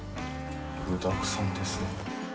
具だくさんですね。